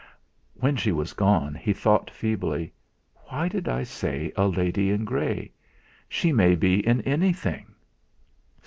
When she was gone, he thought feebly: 'Why did I say a lady in grey she may be in anything.